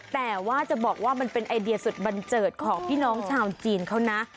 แต่ว่าจะบอกว่ามันเป็นไอเดียสุดบันเจิดของพี่น้องชาวจีนเขานะ